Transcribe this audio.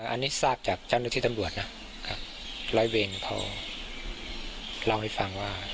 อันนี้ทราบจากจ้านุทิศตำรวจนะร้อยเวรเขาเล่าให้ฟังว่า